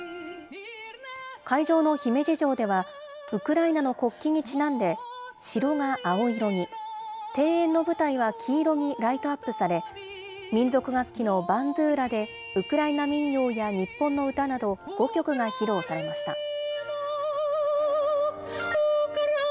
会場の姫路城では、ウクライナの国旗にちなんで城が青色に、庭園の舞台は黄色にライトアップされ、民族楽器のバンドゥーラでウクライナ民謡や日本の歌など５曲が披露されました。